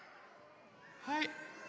はい。